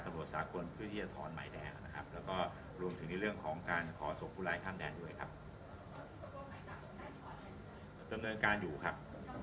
ทำเนินการอยู่ครับ